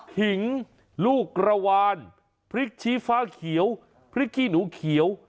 หิงลูกกระวานพริกชี้ฟ้าเขียวพริกขี้หนูเขียว